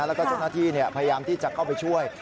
แล้วก็เจ้าหน้าที่พยายามที่จะเข้าไปช่วย